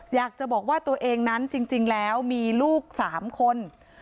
อยากจะบอกว่าตัวเองนั้นจริงแล้วมีลูก๓คน